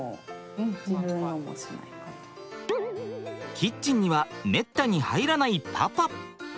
キッチンにはめったに入らないパパ。